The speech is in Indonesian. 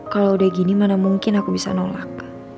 kalau udah gini mana mungkin aku bisa nolak